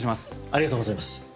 ありがとうございます。